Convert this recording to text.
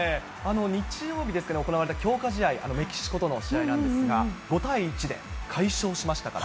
日曜日ですけれども、行われた強化試合、メキシコとの試合なんですが、５対１で快勝しましたから。